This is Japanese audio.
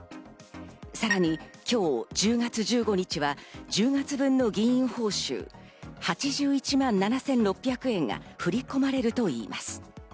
さらに今日１０月１５日は、１０月分の議員報酬８１万７６００円が振り込まれるといいます。